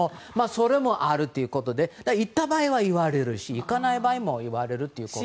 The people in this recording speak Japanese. それもあるということで行った場合は言われるし行かない場合も言われるということで。